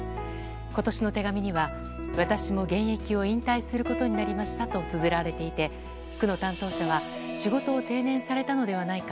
今年の手紙には私も現役を引退することになりましたとつづられていて区の担当者は仕事を定年されたのではないか